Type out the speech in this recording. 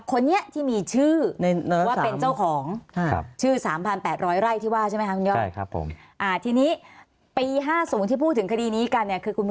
คนนี้ที่มีชื่อว่าเป็นเจ้าของชื่อ๓๘๐๐ไร่ที่บางค่ะคุณเยี่ยม